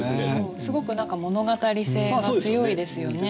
すごく物語性が強いですよね。